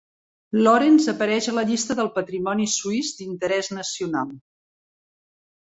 Lorenz apareix a la llista del patrimoni suís d'interès nacional.